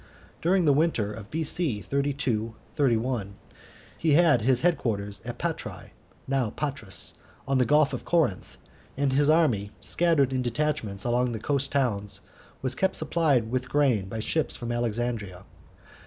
During the winter of B.C. 32 31, he had his head quarters at Patræ (now Patras), on the Gulf of Corinth, and his army, scattered in detachments among the coast towns, was kept supplied with grain by ships from Alexandria.